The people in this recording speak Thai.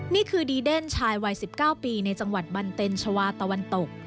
นี่คือดีเดนชายวัย๑๙ปีในจังหวัดบันเต็นชาวาตะวันตก